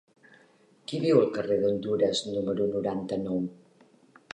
Qui viu al carrer d'Hondures número noranta-nou?